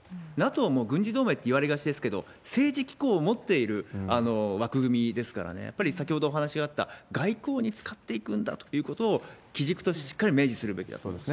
ＮＡＴＯも軍事同盟って言われがちですけど、政治機構を持っている枠組みですからね、やっぱり先ほどお話があった、外交に使っていくんだということを、基軸としてしっかり明示すべきだと思います。